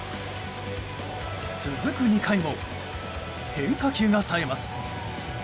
続く２回も、変化球がさえます。